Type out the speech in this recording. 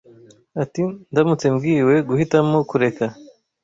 ati, “ndamutse mbwiwe guhitamo kureka